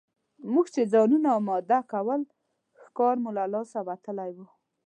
موږ چې ځانونه اماده کول ښکار مو له لاسه وتلی وو.